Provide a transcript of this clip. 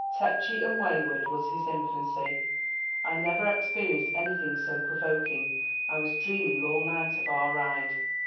"'Tetchy and wayward was his infancy.' I never experienced anything so provoking. I was dreaming all night of our ride."